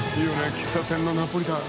喫茶店のナポリタン。